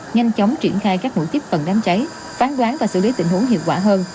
nhanh chóng triển khai các mũi tiếp cận đám cháy phán đoán và xử lý tình huống hiệu quả hơn